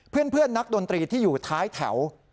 เพื่อนนักดนตรีที่อยู่ท้ายแถว